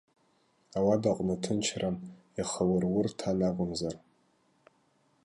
Ауадаҟны ҭынчран, ихы аурур ҭан акәымзар.